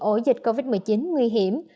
ổ dịch covid một mươi chín nguy hiểm